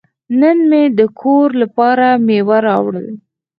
نن مې د کور لپاره میوه راوړه.